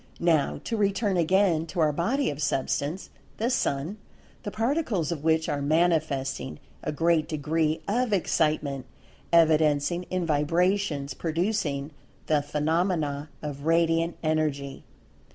Now to return again to our body of Substance—the Sun—the Particles of which are manifest[Pg 176]ing a great degree of "Excitement," evidencing in Vibrations producing the phenomenon of Radiant Energy.